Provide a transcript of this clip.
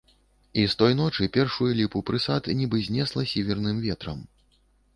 І з той ночы першую ліпу прысад нібы знесла сіверным ветрам.